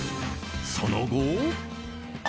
その後。